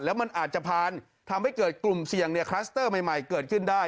แล้วมันอาจจะผ่านทำให้เกิดกลุ่มเสี่ยงคลัสเตอร์ใหม่เกิดขึ้นได้